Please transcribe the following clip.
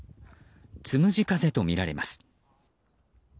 つむじ風とみられます。